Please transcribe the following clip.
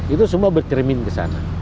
itu semua bercermin ke sana